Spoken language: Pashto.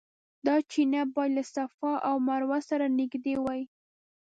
دا چینه باید له صفا او مروه سره نږدې وای.